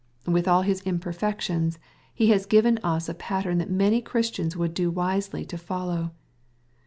With all his imperfections, he has given us a pattern that many Christians would do wisely to follow.